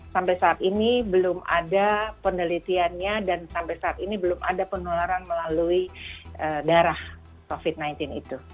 sampai saat ini belum ada penelitiannya dan sampai saat ini belum ada penularan melalui darah covid sembilan belas itu